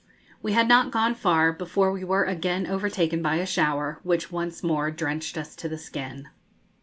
We had not gone far before we were again overtaken by a shower, which once more drenched us to the skin.